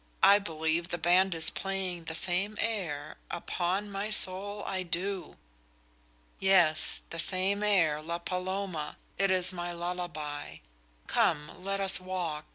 "I believe the band is playing the same air; upon my soul, I do." "Yes, the same air, La Paloma. It is my lullaby. Come, let us walk.